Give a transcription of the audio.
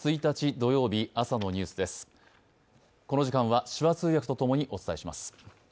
この時間は手話通訳とともにお伝えします。